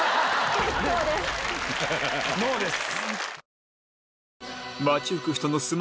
ノーです。